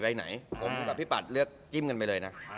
ไหนผมกับพี่ปัดเลือกจิ้มกันไปเลยนะ